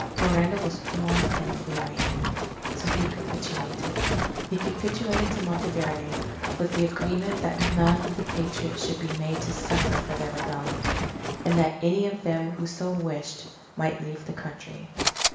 Miranda was worn and weary. So he capitulated. He capitulated to Monteverde, with the agreement that none of the Patriots should be made to suffer for their rebellion; and that any of them who so wished, might leave the country.